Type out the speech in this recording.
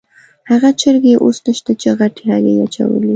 هغه چرګې اوس نشته چې غټې هګۍ یې اچولې.